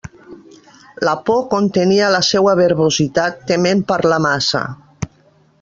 La por contenia la seua verbositat, tement parlar massa.